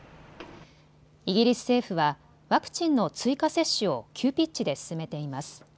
イギリス政府はワクチンの追加接種を急ピッチで進めています。